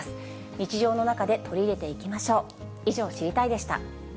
日常の中で取り入れていきましょう。